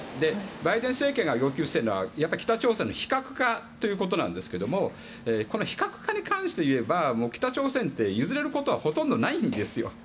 バイデン政権が要求しているのは北朝鮮の非核化ということなんですがこの非核化に関していえば北朝鮮って譲れることはほとんどないんですよ。